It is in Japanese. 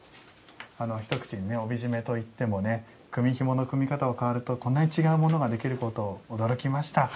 一口に「帯締め」と言ってもね組みひもの組み方が変わるとこんなに違うものができること驚きました。